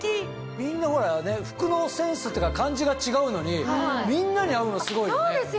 みんな服のセンスっていうか感じが違うのにみんなに合うのすごいよね。